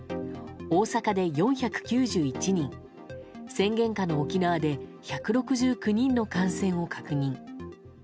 大阪で４９１人宣言下の沖縄で１６９人の感染を確認。